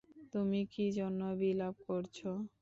তুমি কি জন্য বিলাপ করছ?